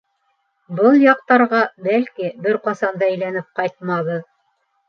Был яҡтарға, бәлки, бер ҡасан да әйләнеп ҡайтмабыҙ...